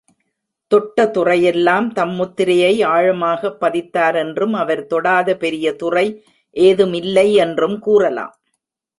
தொட்ட துறையிலெல்லாம் தம் முத்திரையை ஆழமாகப் பதித்தாரென்றும் அவர் தொடாத பெரிய துறை ஏதுமில்லை என்றும் கூறலாம்.